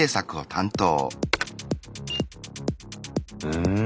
うん。